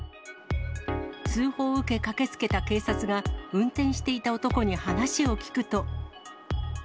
通報を受け、駆けつけた警察が、運転していた男に話を聞くと。